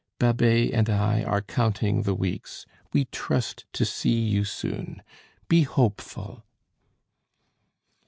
Babet and I are counting the weeks. We trust to see you soon; be hopeful."